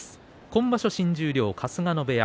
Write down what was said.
今場所、新十両は春日野部屋